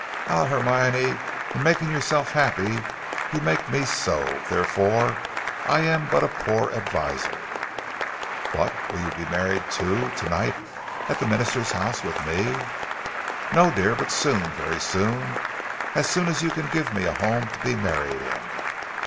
"Ah, Hermione, in making yourself happy, you make me so; therefore I am but a poor adviser." "What, will you be married too, to night, at the minister's house with me?" "No, dear, but soon, very soon, as soon as you can give me a home to be married in."